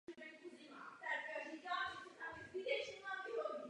Proč brání poslancům Parlamentu ve stupu do pásma Gazy?